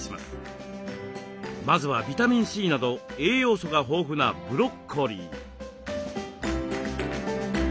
まずはビタミンＣなど栄養素が豊富なブロッコリー。